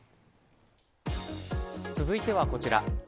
続いてはこちら。